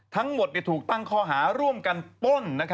ทั้งหมดถูกตั้งข้อหาร่วมกันป้น